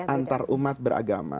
antara umat beragama